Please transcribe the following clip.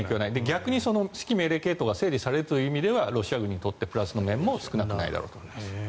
逆に指揮命令系統が整理されるという意味ではロシア軍にとってプラスの面も少なくないだろうと思います。